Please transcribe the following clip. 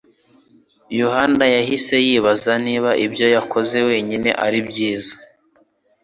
Yohana yahise yibaza niba ibyo yakoze wenyine ari byiza.